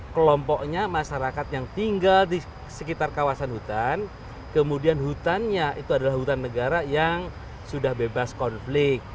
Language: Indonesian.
kelompoknya masyarakat yang tinggal di sekitar kawasan hutan kemudian hutannya itu adalah hutan negara yang sudah bebas konflik